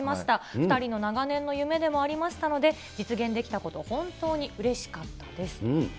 ２人の長年の夢でもありましたので、実現できたこと、本当にうれしかったです。